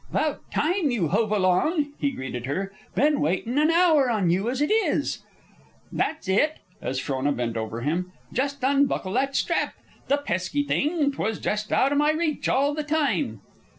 "'Bout time you hove along," he greeted her. "Been waitin' an hour on you as it is." "That's it," as Frona bent over him. "Just unbuckle that strap. The pesky thing! 'Twas just out o' my reach all the time."